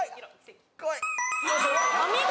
お見事！